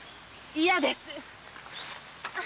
嫌です